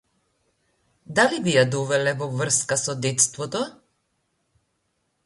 Дали би ја довеле во врска со детството?